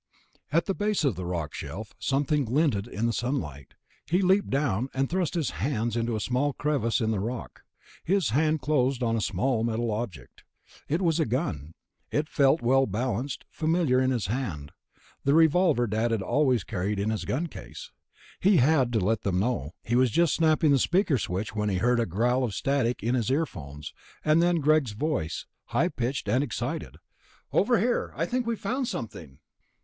At the base of the rock shelf, something glinted in the sunlight. He leaped down, and thrust his hand into a small crevice in the rock. His hand closed on a small metal object. It was a gun. It felt well balanced, familiar in his hand ... the revolver Dad had always carried in his gun case. He had to let them know. He was just snapping the speaker switch when he heard a growl of static in his earphones, and then Greg's voice, high pitched and excited. "Over here! I think I've found something!"